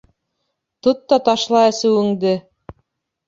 Тот та ташла әсеүеңде.